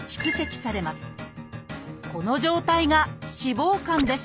この状態が脂肪肝です。